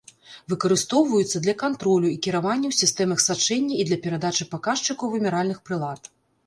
Выкарыстоўваюцца для кантролю і кіравання ў сістэмах сачэння і для перадачы паказчыкаў вымяральных прылад.